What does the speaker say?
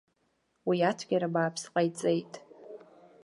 Уи ацәгьара бааԥс ҟаиҵеит.